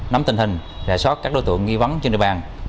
nắm tình hình rà soát các đối tượng nghi vấn trên địa bàn